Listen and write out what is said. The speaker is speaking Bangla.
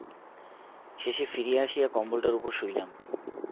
শেষে ফিরিয়া আসিয়া কম্বলটার উপর শুইলাম।